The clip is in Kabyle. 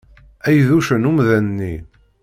Ay d uccen umdan-nni!